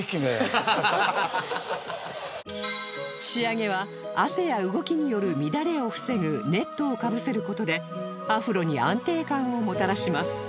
仕上げは汗や動きによる乱れを防ぐネットをかぶせる事でアフロに安定感をもたらします